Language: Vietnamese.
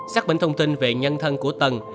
xác bệnh thông tin về nhân thân của tân